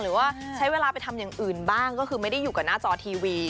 หรือว่าใช้เวลาไปทำอย่างอื่นบ้างก็คือไม่ได้อยู่กับหน้าจอทีวี